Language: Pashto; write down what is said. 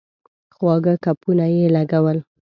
خواږه ګپونه یې لګول.